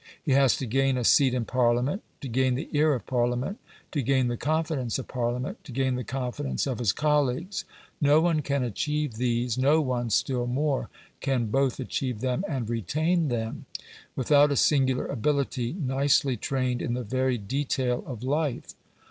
He has to gain a seat in Parliament; to gain the ear of Parliament; to gain the confidence of Parliament; to gain the confidence of his colleagues. No one can achieve these no one, still more, can both achieve them and retain them without a singular ability, nicely trained in the varied detail of life.